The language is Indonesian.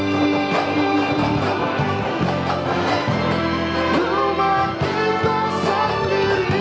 rumah kita sendiri